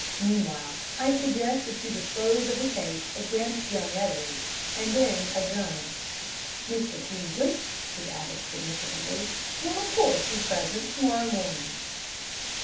Meanwhile, I suggest that you dispose of the case against young Edwards, and then adjourn. Mr. Peaslee," he added significantly, "will of course be present to morrow morning."